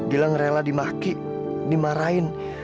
gilang rela dimaki dimarahin